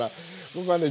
僕はね